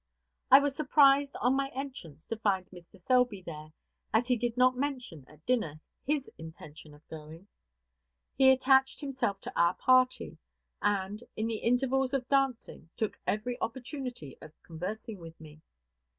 I was surprised, on my entrance, to find Mr. Selby there, as he did not mention, at dinner, his intention of going. He attached himself to our party, and, in the intervals of dancing, took every opportunity of conversing with me.